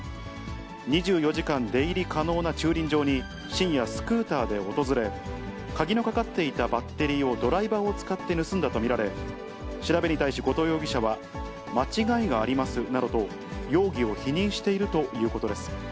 ２４時間出入り可能な駐輪場に深夜、スクーターで訪れ、鍵のかかっていたバッテリーをドライバーを使って盗んだと見られ、調べに対し後藤容疑者は、間違いがありますなどと、容疑を否認しているということです。